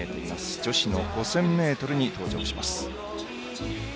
女子の５０００ｍに登場します。